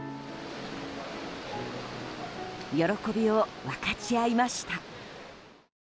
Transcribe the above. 喜びを分かち合いました。